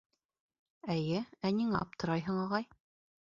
— Эйе, ә ниңә аптырайһың, ағай?